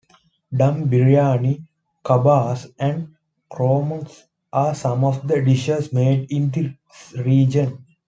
Dum biryani, kababs, and kormas are some of the dishes made in this region.